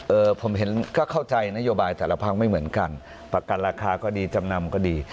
ผมเห็นก็เข้าใจนโยบายแต่ละพักไม่เหมือนกันประกันราคาก็ดีจำนำก็ดี